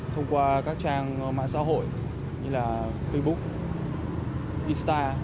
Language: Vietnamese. thông qua các trang mạng xã hội như là facebook insta